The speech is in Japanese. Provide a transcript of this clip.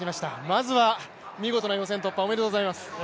まずは見事な予選突破おめでとうございます。